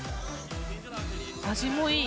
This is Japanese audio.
味もいい。